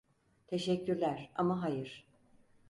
Teşekkürler ama hayır.